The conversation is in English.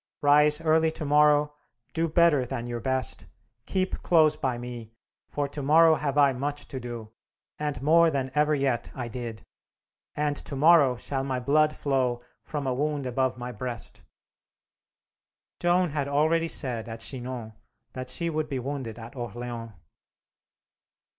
Rise early to morrow, do better than your best, keep close by me; for to morrow have I much to do, and more than ever yet I did, and to morrow shall my blood flow from a wound above my breast." Joan had already said at Chinon that she would be wounded at Orleans.